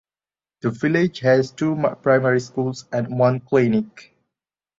The village has two primary schools and one clinic.